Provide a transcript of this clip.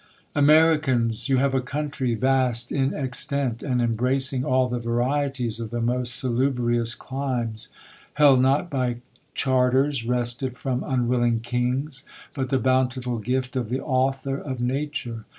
A MERICANS ! you have a country vast in extent, Jr\. and embracing all the varieties of the most sa lubrious clirnes : held not by charters wrested from un willing kings, but the bountiful gift of the Author of nature.